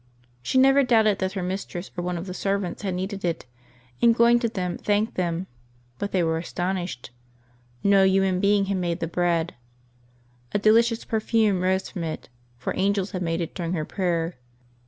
She never doubted that her mistress or one of her servants had kneaded it, and going to them, thanked them; but they were astonished. ISTo human being had made the bread. A delicious perfume rose from it, for angels had made it during her prayer.